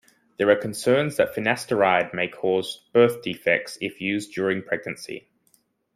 There are concerns that finasteride may cause birth defects if used during pregnancy.